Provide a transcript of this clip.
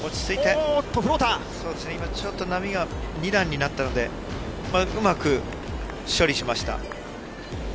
今ちょっと波が２段になったので、うまく処理しました。